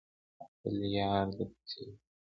د خپل یار د کوڅې خاورې.